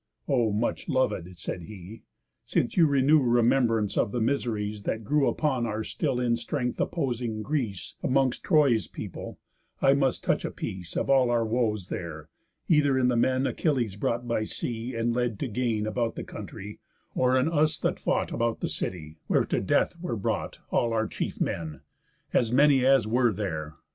"O my much lov'd," said he, "since you renew Remembrance of the miseries that grew Upon our still in strength opposing Greece Amongst Troy's people, I must touch a piece Of all our woes there, either in the men Achilles brought by sea and led to gain About the country, or in us that fought About the city, where to death were brought All our chief men, as many as were there.